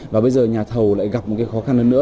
và bây giờ nhà thầu lại gặp một cái khó khăn hơn nữa